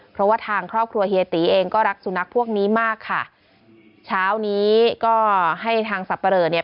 เพราะว่าทางครอบครัวเฮียตีเองก็รักสุนัขพวกนี้มากค่ะเช้านี้ก็ให้ทางสับปะเลอเนี่ย